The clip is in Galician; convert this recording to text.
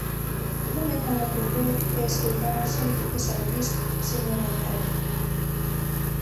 Non é malo aprender e escoitar a xente que sabe disto, señora Narai.